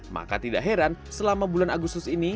maka tidak heran selama bulan agustus ini